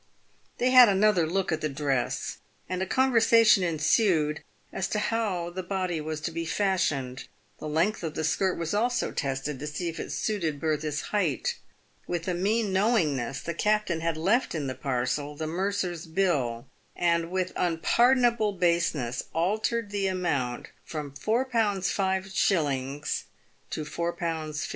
They had another look at the dress, and a conversation ensued as to how the body was to be fashioned. The length of the skirt was also tested to see if it suited Bertha's height. With a mean knowingness the captain had left in the parcel the mercer's bill, and with unpardonable baseness altered the amount from 4<l. 5s. to 4Z. 15s.